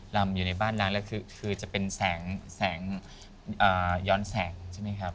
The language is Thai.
ลำอยู่ในบ้านนั้นแล้วคือจะเป็นแสงย้อนแสงใช่ไหมครับ